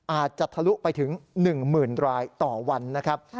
อาจจะทะลุไปถึง๑หมื่นรายต่อวันนะครับ